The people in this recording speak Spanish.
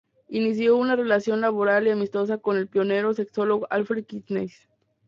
Inició una relación laboral y amistosa con el pionero sexólogo Alfred Kinsey.